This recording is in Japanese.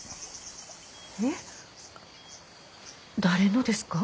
えっ？誰のですか？